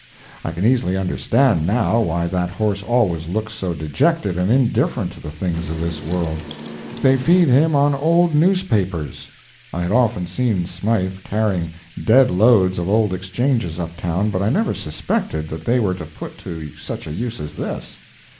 I can easily understand, now, why that horse always looks so dejected and indifferent to the things of this world. They feed him on old newspapers. I had often seen Smythe carrying "dead loads" of old exchanges up town, but I never suspected that they were to be put to such a use as this.